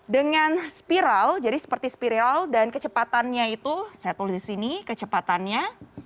dengan spiral jadi seperti spirial dan kecepatannya itu saya tulis di sini kecepatannya